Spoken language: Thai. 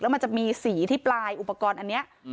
มันจะมีสีที่ปลายอุปกรณ์อันนี้